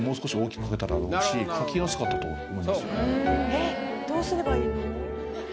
えっどうすればいいの？